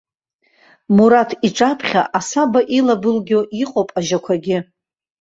Мураҭ иҿаԥхьа асаба илабылгьо, иҟоуп ажьақәагьы.